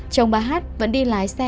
chồng bà hát vẫn đi lái xe